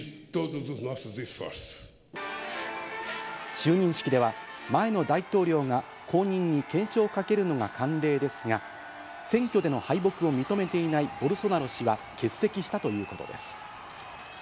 就任式では、前の大統領が後任に懸章をかけるのが慣例ですが、選挙での敗北を認めていないボルソナロ氏は欠席したということです。